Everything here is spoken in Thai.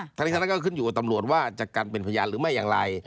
ทั้งนี้ทั้งนั้นก็ขึ้นอยู่กับตำรวจว่าจะกันเป็นพยานหรือไม่อย่างไร